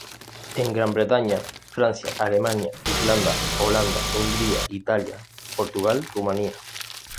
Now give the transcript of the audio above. En Gran Bretaña, Francia, Alemania, Irlanda, Holanda, Hungría, Italia, Portugal Rumanía.